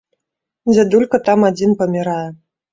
Дзядулька там адзін памірае.